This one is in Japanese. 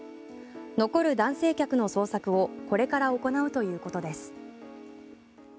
残る男性客の捜索をこれから行うということです。